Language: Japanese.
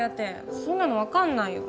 颯そんなの分かんないよ